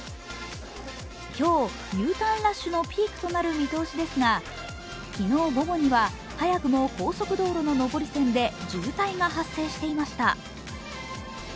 今日、Ｕターンラッシュのピークとなる見通しですが、昨日午後には早くも高速道路の上り線で渋滞が発生していました。